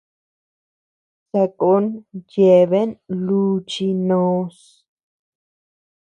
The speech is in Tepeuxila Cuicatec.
Sakon yeabean luuchi noos.